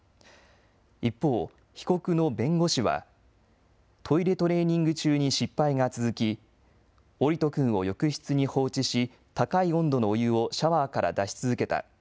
一方、被告の弁護士はトイレトレーニング中に失敗が続き桜利斗くんを浴室に放置し高い温度のお湯をシャワーから出し続けた。